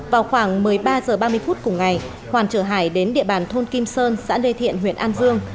vào khoảng một mươi ba h ba mươi phút cùng ngày hoàn chở hải đến địa bàn thôn kim sơn xã lê thiện huyện an dương